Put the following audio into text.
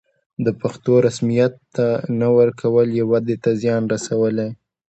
د پښتو رسميت ته نه ورکول یې ودې ته زیان رسولی.